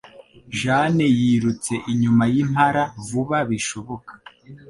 Jane yirutse inyuma yimpara vuba bishoboka